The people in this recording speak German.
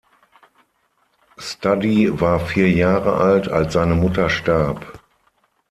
Study war vier Jahre alt, als seine Mutter starb.